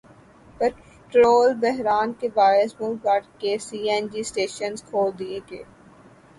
petrol بحران کے باعث ملک بھر کے سی این جی اسٹیشن کھول دیئے گئے